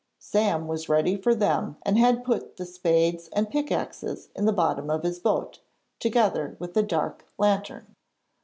Sam was ready for them and had put the spades and pickaxes in the bottom of his boat, together with a dark lantern.